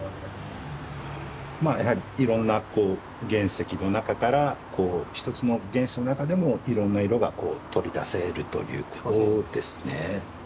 やはりいろんな原石の中から一つの原石の中でもいろんな色が取り出せるということですね。